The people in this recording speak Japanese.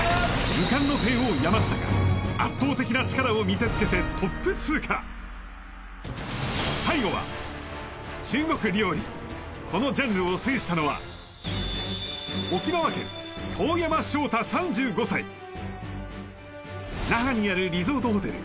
無冠の帝王山下が圧倒的な力を見せつけてトップ通過最後は中国料理このジャンルを制したのは那覇にあるリゾートホテル